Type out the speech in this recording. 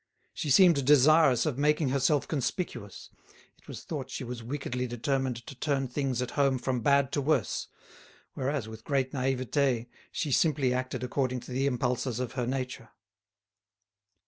She seemed desirous of making herself conspicuous, it was thought she was wickedly determined to turn things at home from bad to worse, whereas with great naivete she simply acted according to the impulses of her nature.